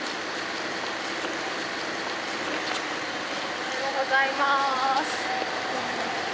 おはようございます。